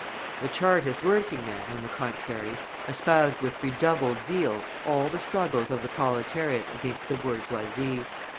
The Chartist working men, on the contrary, espoused with redoubled zeal all the struggles of the proletariat against the bourgeoisie.